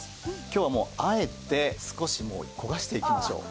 今日はもうあえて少し焦がしていきましょう。